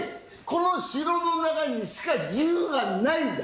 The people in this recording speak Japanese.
この城の中にしか自由がないんだよ！